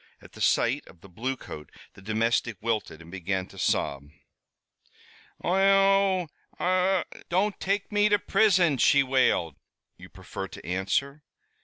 At the sight of the bluecoat the domestic wilted and began to sob. "Ohone! Ohone! don't take me to prison!" she wailed. "You prefer to answer?"